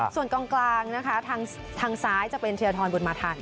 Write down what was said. ส่วนกองกลางนะคะทางซ้ายจะเป็นเทียทรบุญมาทัน